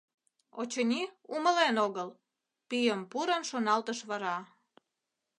«Очыни, умылен огыл», — пӱйым пурын шоналтыш вара.